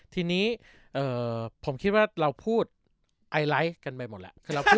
ทีนี้ผมคิดว่าเราพูดไอไลฟ์กันไปหมดแล้ว